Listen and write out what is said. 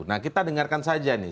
nah kita dengarkan saja nih